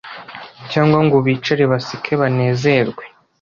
cyangwa ngo bicare baseke banezerwe